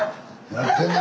やってやんな。